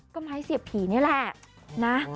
ก็ไม้เสียบผีนี่แหละนะ